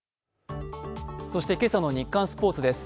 そして今朝の「日刊スポーツ」です。